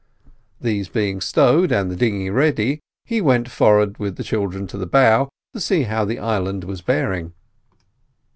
These being stowed, and the dinghy ready, he went forward with the children to the bow, to see how the island was bearing.